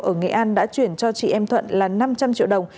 ở nghệ an đã chuyển cho chị em thuận là năm trăm linh triệu đồng